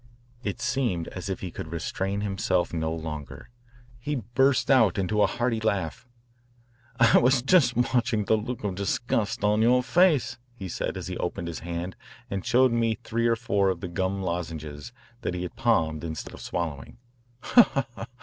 It seemed as if he could restrain himself no longer. He burst out into a hearty laugh. "I was just watching the look of disgust on your face," he said as he opened his hand and showed me three or four of the gum lozenges that he had palmed instead of swallowing. "Ha, ha!